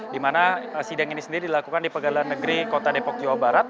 dimana sidang ini sendiri dilakukan di pengadilan negeri depok jawa barat